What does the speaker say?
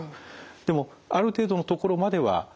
でもある程度のところまでは正常ですね。